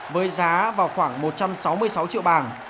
với giá vào khoảng một trăm sáu mươi sáu triệu bảng